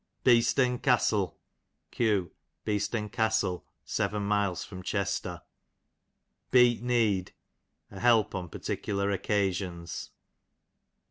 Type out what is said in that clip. Beest'n Castle, q. Beeston Castle, 7 miles from Chester. Beet need, a help on particular occasions.